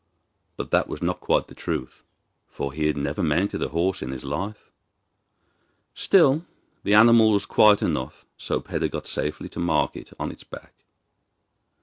But that was not quite the truth, for he had never mounted a horse in his life. Still, the animal was quiet enough, so Peder got safely to market on its back.